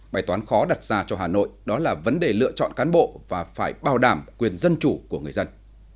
bài toán khó đặt ra cho hà nội đó là vấn đề lựa chọn cán bộ và phải bảo đảm quyền dân chủ của người dân